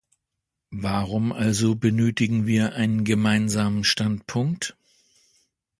Warum also benötigen wir einen Gemeinsamen Standpunkt?